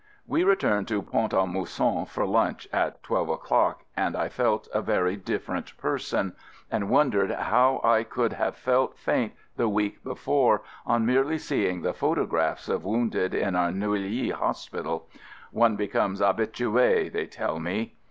We returned 10 AMERICAN AMBULANCE to Pont a Mousson for lunch at twelve o'clock and I felt a very different person — and wondered how I could have felt faint the week before on merely seeing the photographs of wounded in our Neuilly Hospital; — one becomes "habitue," they tell me.